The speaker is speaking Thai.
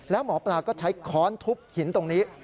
แล้วหมอปลาก็ใช้ค้อนทุบหินตรงนี้